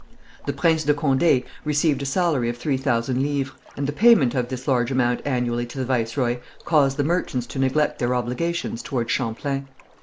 The Prince de Condé received a salary of three thousand livres, and the payment of this large amount annually to the viceroy, caused the merchants to neglect their obligations towards Champlain.